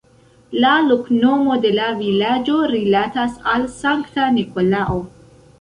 La loknomo de la vilaĝo rilatas al sankta Nikolao.